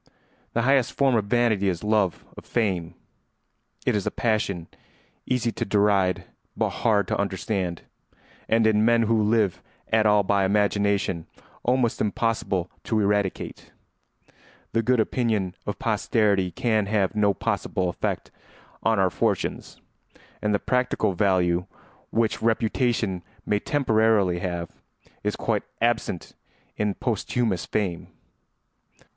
] The highest form of vanity is love of fame. It is a passion easy to deride but hard to understand, and in men who live at all by imagination almost impossible to eradicate. The good opinion of posterity can have no possible effect on our fortunes, and the practical value which reputation may temporarily have is quite absent in posthumous fame.